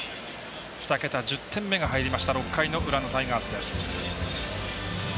２桁１０点目が入った６回の裏のタイガース。